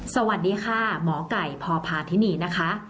สวัสดีค่ะหมอไก่พพาธินีนะคะ